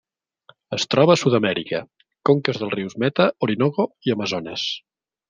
Es troba a Sud-amèrica: conques dels rius Meta, Orinoco i Amazones.